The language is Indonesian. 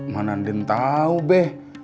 mana ndin tau beh